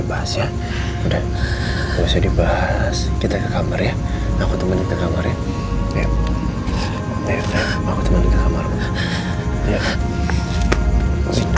papa mama lagi berantem lagi